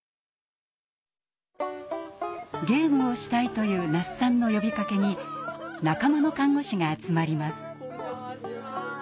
ゲームをしたいという那須さんの呼びかけに仲間の看護師が集まります。